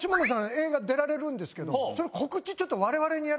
映画出られるんですけど。